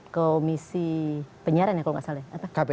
komisi penyiaran ya kalau gak salah